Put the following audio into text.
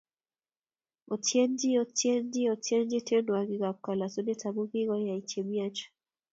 Otienchi! Otienchi! Otienchi tienwkik ab kalosunet amu kikoyai che miach!